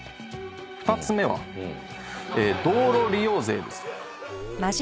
２つ目は道路利用税です。え！